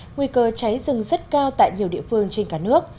nguy cơ cháy rừng rất cao tại nhiều địa phương trên cả nước